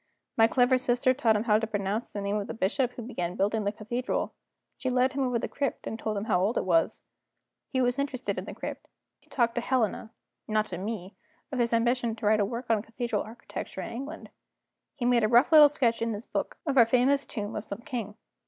My clever sister taught him how to pronounce the name of the bishop who began building the cathedral; she led him over the crypt, and told him how old it was. He was interested in the crypt; he talked to Helena (not to me) of his ambition to write a work on cathedral architecture in England; he made a rough little sketch in his book of our famous tomb of some king.